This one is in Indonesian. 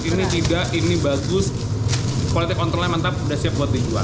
ini tidak ini bagus politik kontrolnya mantap sudah siap buat dijual